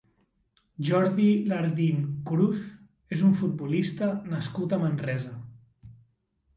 Jordi Lardín Cruz és un futbolista nascut a Manresa.